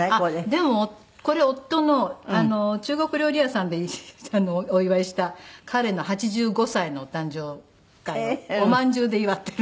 でもこれ夫の中国料理屋さんでお祝いした彼の８５歳のお誕生会をおまんじゅうで祝ってるの。